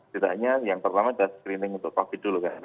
tidak hanya yang pertama adalah screening untuk covid dulu kan